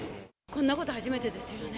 こんなこと初めてですよね。